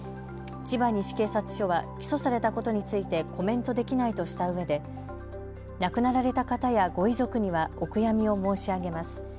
千葉西警察署は起訴されたことについてコメントできないとしたうえで亡くなられた方やご遺族にはお悔やみを申し上げます。